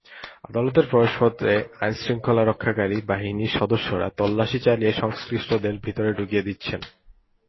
আদালতের প্রবেশপথে আইনশৃঙ্খলা রক্ষাকারী বাহিনীর সদস্যরা তল্লাশি চালিয়ে সংশ্লিষ্টদের ভেতরে ঢুকতে দিচ্ছেন।